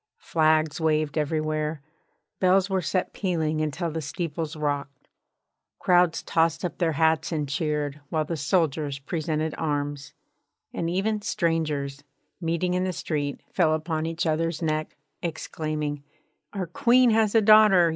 Flags waved everywhere, bells were set pealing until the steeples rocked, crowds tossed up their hats and cheered, while the soldiers presented arms, and even strangers meeting in the street fell upon each other's neck, exclaiming: 'Our Queen has a daughter!